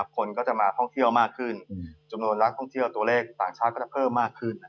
คนก็จะมาท่องเที่ยวมากขึ้นจำนวนนักท่องเที่ยวตัวเลขต่างชาติก็จะเพิ่มมากขึ้น